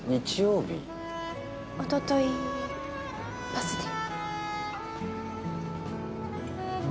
おとといバスで。